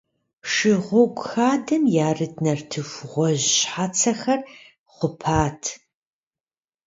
Шыгъуэгу хадэхэм ярыт нартыху гъуэжь щхьэцэхэр хъупат.